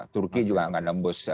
turki juga enggak nembus